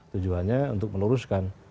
tujuannya untuk meneruskan